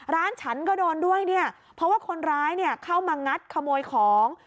ร้านฉันก็โดนด้วยเพราะว่าคนร้ายเข้ามางัดขโมยของ